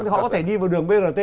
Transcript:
thì họ có thể đi vào đường brt